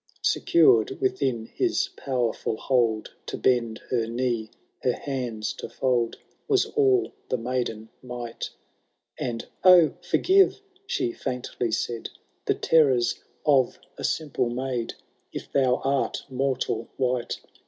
*« VIII. Secured within his powerful hold, To bend her knee, her hands to fold, Was all the maiden might ; And Oh ! forgive, she faintly said, The terrors of a simple maid. If thou art mortal wight